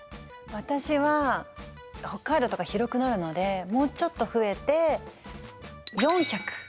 私は北海道とか広くなるのでもうちょっと増えて４００。